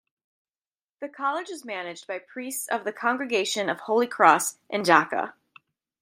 The college is managed by priests of the Congregation of Holy Cross in Dhaka.